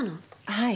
はい。